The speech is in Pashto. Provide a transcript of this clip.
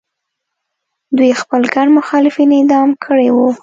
دوی خپل ګڼ مخالفین اعدام کړي وو.